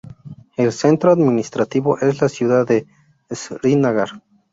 El centro administrativo es la ciudad de Srinagar.